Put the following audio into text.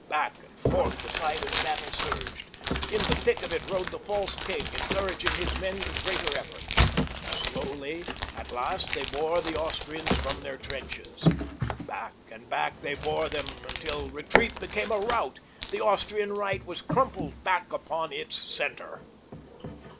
Back and forth the tide of battle surged. In the thick of it rode the false king encouraging his men to greater effort. Slowly at last they bore the Austrians from their trenches. Back and back they bore them until retreat became a rout. The Austrian right was crumpled back upon its center!